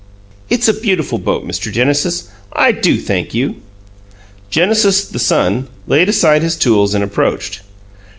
"It's a beautiful boat, Mr. Genesis. I do thank you!" Genesis, the son, laid aside his tools and approached.